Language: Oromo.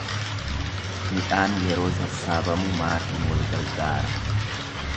Midhaan yeroo sassaabamu maatiin wal gargaara.